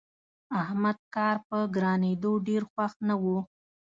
احمد کار په ګرانېدو ډېر خوښ نه وو.